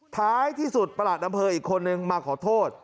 ท้ายที่สุดประหลัดอำเภออีกคนนึงมาขอโทษ